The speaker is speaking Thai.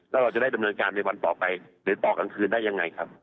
แล้วเราจะได้ดำเนินการในวันต่อไปหรือต่อกลางคืนได้ยังไงครับ